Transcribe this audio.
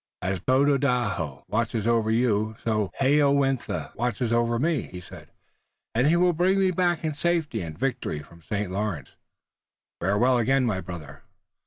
"As Tododaho watches over you, so Hayowentha watches over me," he said, "and he will bring me back in safety and victory from the St. Lawrence. Farewell again, my brother."